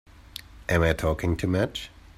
Am I talking too much?